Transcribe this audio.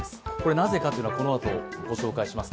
なぜかというのはこのあと紹介します。